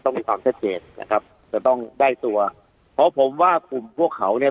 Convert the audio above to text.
มีความชัดเจนนะครับจะต้องได้ตัวเพราะผมว่ากลุ่มพวกเขาเนี่ย